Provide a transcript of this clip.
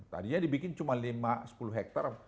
tadinya dibikin cuma lima sepuluh hektare